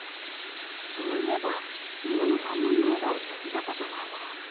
そういえば桃の満面の笑顔って見たことないな